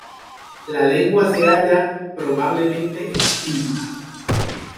La lengua se halla probablemente extinta.